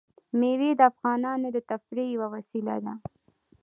مېوې د افغانانو د تفریح یوه وسیله ده.